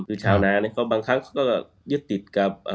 คือชาวนาเนี่ยก็บางครั้งก็ยึดติดกับ